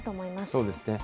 そうですね。